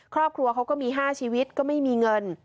ครอบครัวเขาก็มี๕ชีวิตก็ไม่มีเงิน